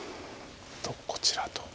こちらと。